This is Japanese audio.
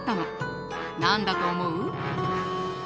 何だと思う？